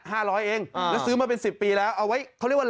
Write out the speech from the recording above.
ร้อยเองอ่าแล้วซื้อมาเป็นสิบปีแล้วเอาไว้เขาเรียกว่าอะไร